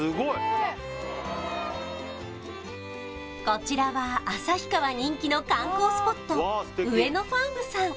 こちらは旭川人気の観光スポット